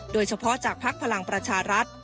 โดยเฉพาะจากพลังประชารัฐ